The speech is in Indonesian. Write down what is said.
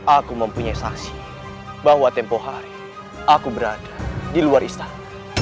aku mempunyai saksi bahwa tempoh hari aku berada di luar istana